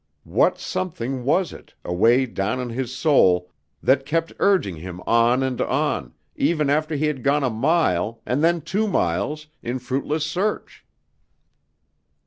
What something was it, away down in his soul, that kept urging him on and on, even after he had gone a mile, and then two miles, in fruitless search?